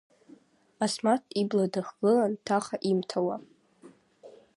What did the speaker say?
Асмаҭ ибла дыхгылан, ҭаха имҭауа.